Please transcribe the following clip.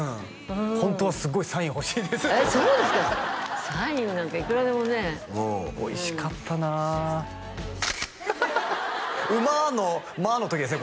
ホントはすごいサイン欲しいですってそうですかサインなんかいくらでもねおいしかったな「ウマ」の「マ」の時ですね